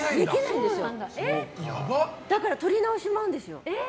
だから撮り直しもあるんですよ。